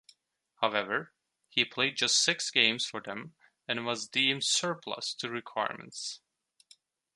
However, he played just six games for them and was deemed surplus to requirements.